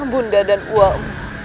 bunda dan uwamu